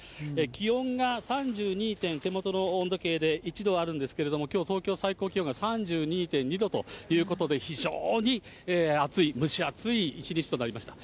気温が３２．、手元の温度計で１度あるんですけれども、きょう、東京、最高気温が３２．２度ということで、非常に暑い、蒸し暑い一日となりました。